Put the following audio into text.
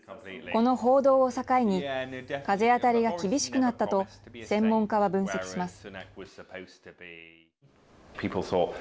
この報道を境に風当たりが厳しくなったと専門家は分析します。